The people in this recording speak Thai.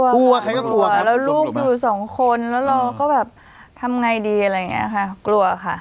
กลัวใครก็กลัวแล้วลูกอยู่สองคนแล้วเราก็แบบทำไงดีอะไรอย่างนี้ค่ะกลัวค่ะ